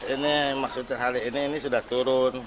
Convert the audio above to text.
ini maksudnya hari ini ini sudah turun